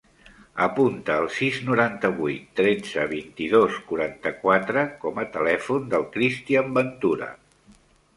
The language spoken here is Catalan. Apunta el sis, noranta-vuit, tretze, vint-i-dos, quaranta-quatre com a telèfon del Christian Ventura.